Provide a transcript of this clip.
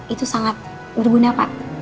itu sangat berguna pak